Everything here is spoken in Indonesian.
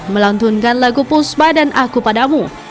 melantunkan lagu puspa dan aku padamu